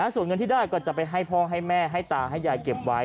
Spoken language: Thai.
ส่วนเงินที่ได้ก็จะไปให้พ่อให้แม่ให้ตาให้ยายเก็บไว้